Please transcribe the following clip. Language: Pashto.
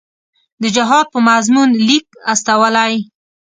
د جهاد په مضمون لیک استولی.